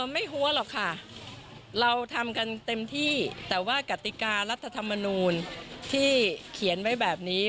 หัวหรอกค่ะเราทำกันเต็มที่แต่ว่ากติการัฐธรรมนูลที่เขียนไว้แบบนี้